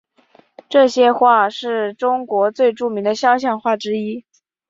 这些画是中国最著名的肖像画之一。